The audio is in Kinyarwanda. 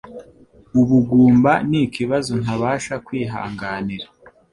Ubugumba nikibazo ntabasha kwihanganira